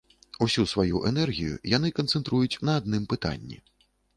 Усю сваю энергію яны канцэнтруюць на адным пытанні.